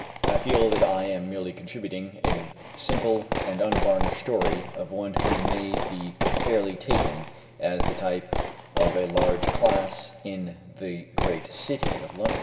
I feel that I am merely contributing a simple and unvarnished story of one who may be fairly taken as the type of a large class in the great City of London.